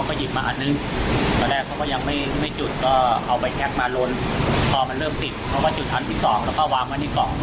พอมันเริ่มติดเพราะว่าจุดอันที่๒แล้วก็วางไว้ในกล่อง